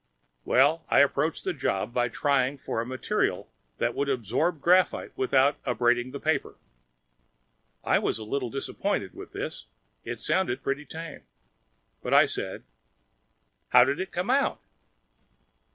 Well, I approached the job by trying for a material that would absorb graphite without abrading paper." I was a little disappointed with this; it sounded pretty tame. But I said, "How did it come out?"